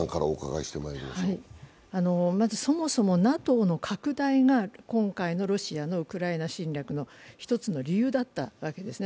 まず、そもそもＮＡＴＯの拡大が今回のロシアのウクライナ侵略の１つの理由だったわけですね。